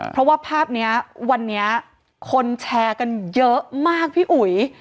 เพราะว่าภาพนี้วันนี้คนแชร์กันเยอะมากพี่อุ๋ย